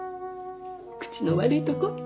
口の悪いとこ？